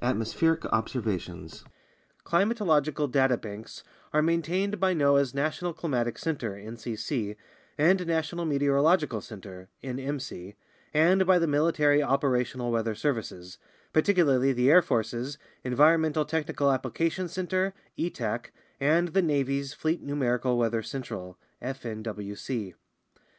46 SCOPE OF PRESENT RESEARCH ON CLIMATIC VARIATION Atmospheric Observations 47 Climatological data banks are maintained by noaa's National Climatic Center (ncc) and National Meteorological Center (nmc) and by the military operational weather services, particularly the Air Force's En vironmental Technical Applications Center (etac) and the Navy's Fleet Numerical Weather Central (fnwc).